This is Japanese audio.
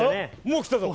もう来たぞ。